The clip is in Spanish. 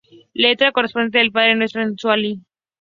La letra corresponde al Padre Nuestro en suajili.